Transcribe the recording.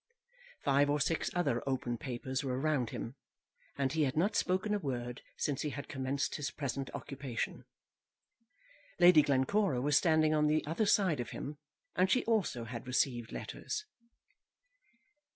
Five or six other open papers were around him, and he had not spoken a word since he had commenced his present occupation. Lady Glencora was standing on the other side of him, and she also had received letters.